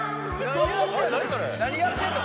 何やってんの？